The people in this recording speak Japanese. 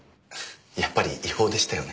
やっぱり違法でしたよね？